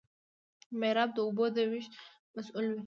میرآب د اوبو د ویش مسوول وي.